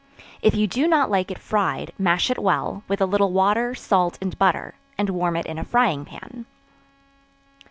If you do not like it fried, mash it well, with a little water, salt, and butter, and warm it in a frying pan.